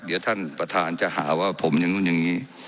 เดี๋ยวท่านประธานจะหาว่าผมอยู่นึงอยู่นึง